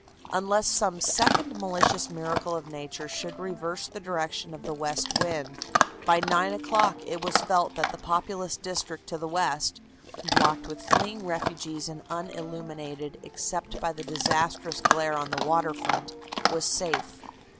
Unless some second malicious miracle of nature should reverse the direction of the west wind, by nine o'clock it was felt that the populous district to the west, blocked with fleeing refugees and unilluminated except by the disastrous glare on the water front, was safe.